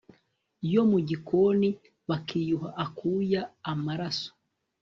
yo mu gikoni bakiyuha akuya amaraso